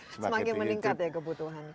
semakin meningkat ya kebutuhan